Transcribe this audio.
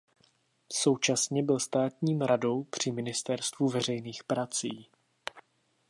Současně byl státním radou při ministerstvu veřejných prací.